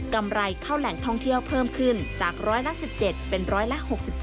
ไรเข้าแหล่งท่องเที่ยวเพิ่มขึ้นจากร้อยละ๑๗เป็นร้อยละ๖๗